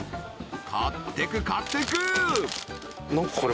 買ってく買ってく！